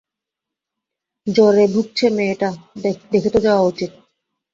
জ্বর ভুগছে মেয়েটা, দেখে তো যাওয়া উচিত?